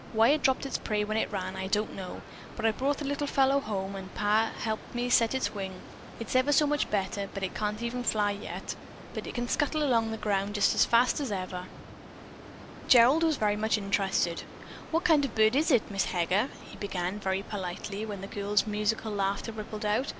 Why it dropped its prey when it ran, I don't know, but I brought the little fellow home and Pap helped me set its wing. It's ever so much better, but even yet can't fly, but it can scuttle along the ground just ever so fast." Gerald was much interested. "What kind of a bird is it, Miss Heger?" he began, very politely, when the girl's musical laughter rippled out.